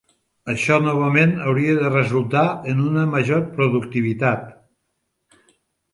Això novament hauria de resultar en una major productivitat.